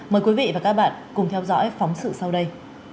mời quý vị và các bạn cùng theo dõi phóng sự sau đây